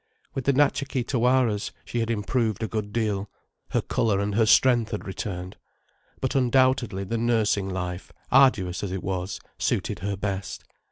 With the Natcha Kee Tawaras, she had improved a good deal, her colour and her strength had returned. But undoubtedly the nursing life, arduous as it was, suited her best.